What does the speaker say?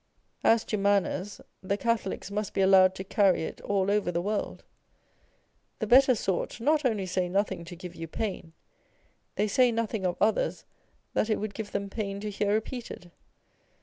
As to manners, the Catholics must be allowed to carry it all over the world. The better sort not only say nothing to give you pain ; they say nothing of others that it would give them pain to hear repeated.